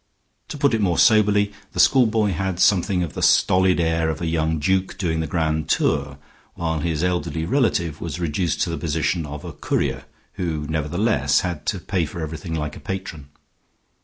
To put it more soberly, the schoolboy had something of the stolid air of a young duke doing the grand tour, while his elderly relative was reduced to the position of a courier, who nevertheless had to pay for everything like a patron.